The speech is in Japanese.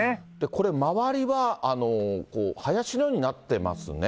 これ、周りは、林のようになってますね。